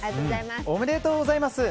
おめでとうございます！